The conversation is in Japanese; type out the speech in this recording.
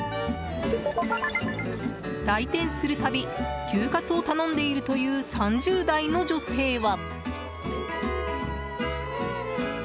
来店するたび、牛カツを頼んでいるという３０代の女性は。